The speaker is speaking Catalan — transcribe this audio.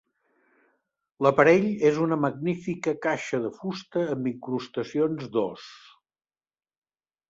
L'aparell és una magnífica caixa de fusta amb incrustacions d'os.